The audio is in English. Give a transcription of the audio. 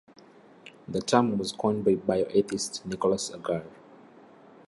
The term was coined by bioethicist Nicholas Agar.